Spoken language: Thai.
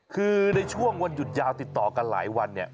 คือในช่วงวันหยุดยาวติดต่อกันหลายวันเนี่ย